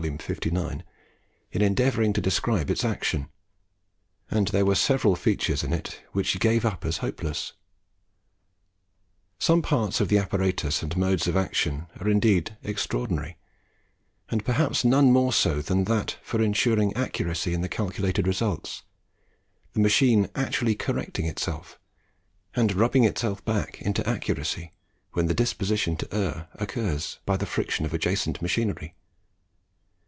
59) in endeavouring to describe its action, and there were several features in it which he gave up as hopeless. Some parts of the apparatus and modes of action are indeed extraordinary and perhaps none more so than that for ensuring accuracy in the calculated results, the machine actually correcting itself, and rubbing itself back into accuracy, when the disposition to err occurs, by the friction of the adjacent machinery!